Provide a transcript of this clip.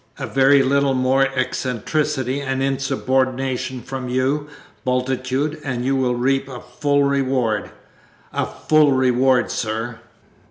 A very little more eccentricity and insubordination from you, Bultitude, and you will reap a full reward a full reward, sir!"